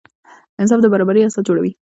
انصاف د برابري اساس جوړوي.